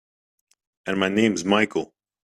And my name's Michael.